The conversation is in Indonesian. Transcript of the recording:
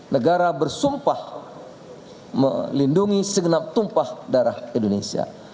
negara bersumpah melindungi segenap tumpah darah indonesia